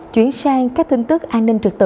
chuyến sang các tin tức an ninh trực tự